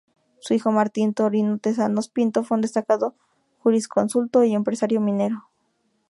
Su hijo Martín Torino Tezanos Pinto fue un destacado jurisconsulto y empresario minero.